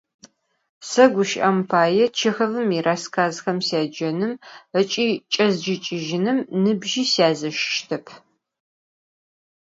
Se, guşı'em paê, Çêxovım yirasskazxem syacenım ıç'i ç'ezcıç'ıjınım nıbji syazeşıştep.